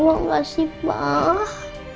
allah ngasih ma'ah